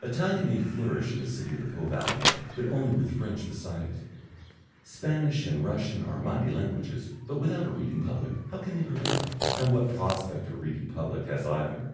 Italian may flourish in the city of the Po valley, but only with French beside it. Spanish and Russian are mighty languages, but without a reading public how can they prevail, and what prospect of a reading public has either?